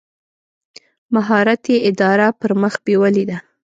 مهارت یې اداره پر مخ بېولې ده.